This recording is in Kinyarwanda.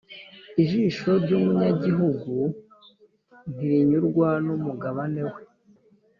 Ijisho ry’umunyabugugu ntirinyurwa n’umugabane we,